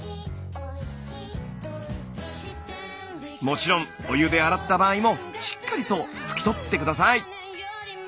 もちろんお湯で洗った場合もしっかりと拭き取って下さい。